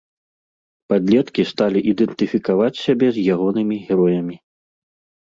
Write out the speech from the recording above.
Падлеткі сталі ідэнтыфікаваць сябе з ягонымі героямі.